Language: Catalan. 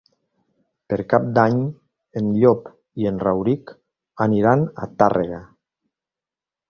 Per Cap d'Any en Llop i en Rauric aniran a Tàrrega.